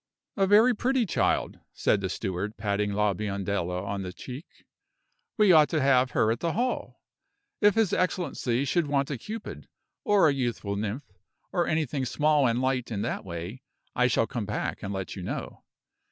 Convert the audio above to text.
"A very pretty child," said the steward, patting La Biondella on the cheek. "We ought to have her at the hall. If his excellency should want a Cupid, or a youthful nymph, or anything small and light in that way, I shall come back and let you know.